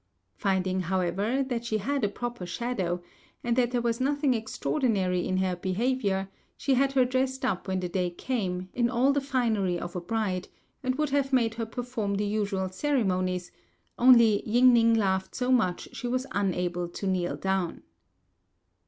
Finding, however, that she had a proper shadow, and that there was nothing extraordinary in her behaviour, she had her dressed up when the day came, in all the finery of a bride; and would have made her perform the usual ceremonies, only Ying ning laughed so much she was unable to kneel down.